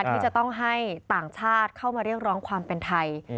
ที่จะต้องให้ต่างชาติเข้ามาเรียกร้องความเป็นไทย